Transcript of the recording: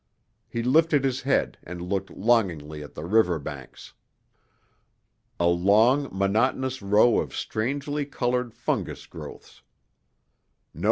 He lifted his head and looked longingly at the river banks. A long, monotonous row of strangely colored fungus growths.